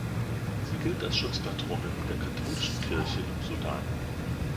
Sie gilt als Schutzpatronin der katholischen Kirche im Sudan.